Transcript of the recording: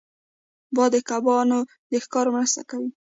باد د کبان د ښکار مرسته کوي